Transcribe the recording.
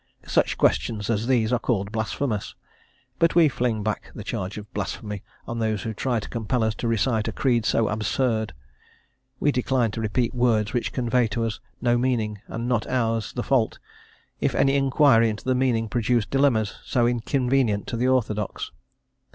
Such questions as these are called blasphemous; but we fling back the charge of blasphemy on those who try to compel us to recite a creed so absurd. We decline to repeat words which convey to us no meaning, and not ours the fault, if any inquiry into the meaning produce dilemmas so inconvenient to the orthodox.